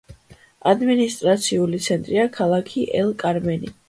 ადმინისტრაციული ცენტრია ქალაქი ელ-კარმენი.